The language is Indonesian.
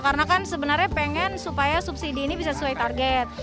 karena kan sebenarnya pengen supaya subsidi ini bisa sesuai target